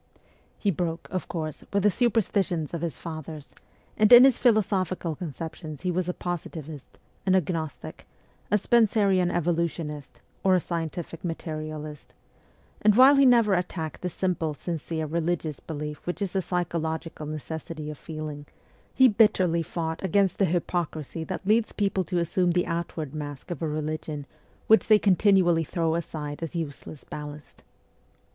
He broke, of course, with the superstitions of his fathers, and in his philosophical conceptions he was a positivist, an agnostic, a Spencerian evolutionist, or a scientific materialist ; and while he never attacked the simple, sincere religious belief which is a psychological necessity of feeling, he bitterly fought against the hypocrisy that leads people to assume the outward mask of a religion which they continually throw aside as useless ballast.